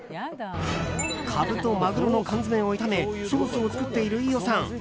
カブとマグロの缶詰を炒めソースを作っている飯尾さん。